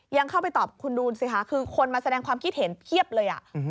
ยังเข้าไปตอบคุณดูสิคะคือคนมาแสดงความคิดเห็นเพียบเลย